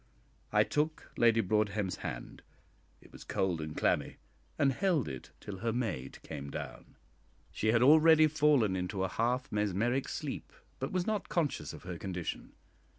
I took Lady Broadhem's hand it was cold and clammy and held it till her maid came down. She had already fallen into a half mesmeric sleep, but was not conscious of her condition.